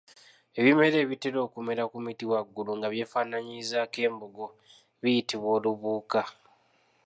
Ebimera ebitera okumera ku miti wabula nga byefaanaanyirizaako embogo biyitibwa Olubuuka.